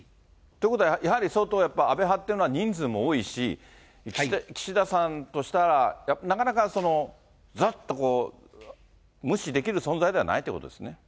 ということはやはり相当やっぱ、安倍派っていうのは人数も多いし、岸田さんとしたら、なかなか、ざっと無視できる存在ではないということですね。